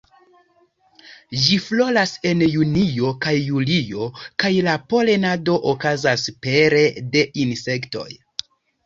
Ĝi floras en junio kaj julio, kaj la polenado okazas pere de insektoj.